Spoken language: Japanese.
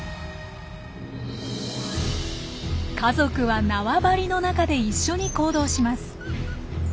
家族は縄張りの中で一緒に行動します。